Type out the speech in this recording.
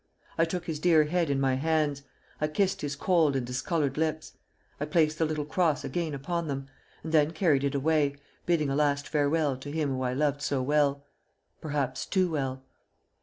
I took his dear head in my hands; I kissed his cold and discolored lips; I placed the little cross again upon them, and then carried it away, bidding a last farewell to him whom I loved so well, perhaps too well!